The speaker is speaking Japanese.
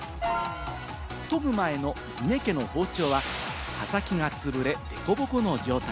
研ぐ前の峰家の包丁は刃先が潰れ、でこぼこの状態。